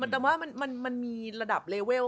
แต่ว่ามันมีระดับเลเวล